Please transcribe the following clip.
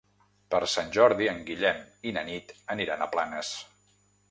Per Sant Jordi en Guillem i na Nit aniran a Planes.